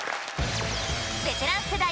ベテラン世代